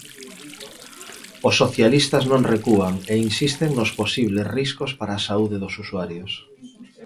Os socialistas non recúan e insisten nos posibles riscos para a saúde dos usuarios.